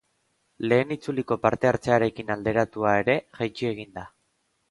Lehen itzuliko parte-hartzearekin alderatua ere, jaitsi egin da.